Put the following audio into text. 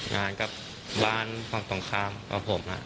งานกับบ้านฝั่งตรงข้ามกับผม